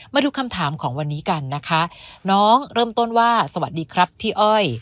มาดูคำถามของวันนี้กันนะคะน้องเริ่มต้นว่าสวัสดีครับพี่อ้อย